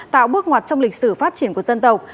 tạo bước ngoặt trong lịch sử phát triển của dân tộc